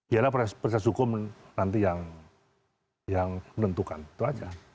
yalah proses hukum nanti yang menentukan itu aja